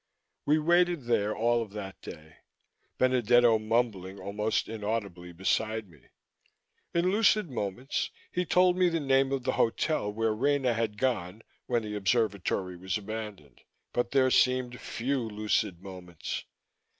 We waited there all of that day, Benedetto mumbling almost inaudibly beside me. In lucid moments, he told me the name of the hotel where Rena had gone when the Observatory was abandoned, but there seemed few lucid moments.